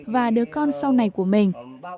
và đứa con sau này của mình